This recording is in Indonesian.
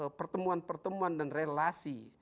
di dalam pertemuan pertemuan dan relasi